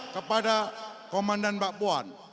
kepada komandan mbak puan